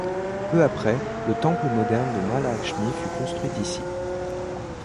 Peu après, le temple moderne de Mahalakshmi fut construit ici.